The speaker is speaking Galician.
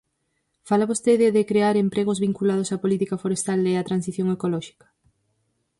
¿Fala vostede de crear empregos vinculados á política forestal e á transición ecolóxica?